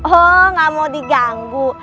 oh gak mau diganggu